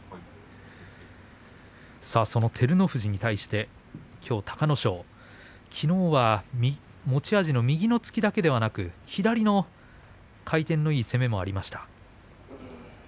その照ノ富士に対してきょう隆の勝きのうは持ち味の右の突きだけではなく左の回転のいい攻めもありました。